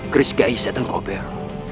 geris kiai setan kober